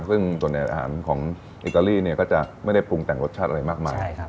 ซึ่งส่วนใหญ่อาหารของอิตาลีเนี่ยก็จะไม่ได้ปรุงแต่งรสชาติอะไรมากมาย